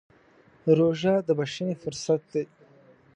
روژه د بښنې فرصت دی.